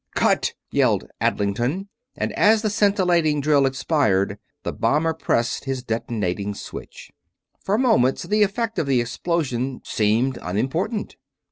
"Cut!" yelled Adlington, and as the scintillating drill expired the bomber pressed his detonating switch. For moments the effect of the explosion seemed unimportant.